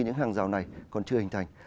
những hàng giàu này còn chưa hình thành